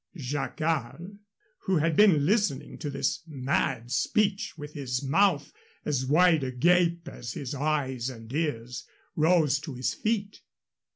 Jacquard, who had been listening to this mad speech with his mouth as wide agape as his eyes and ears, rose to his feet.